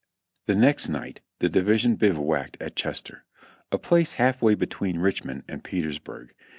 Th.e next night the division bivouacked at Chester, a place half way between Richmond and Petersburg.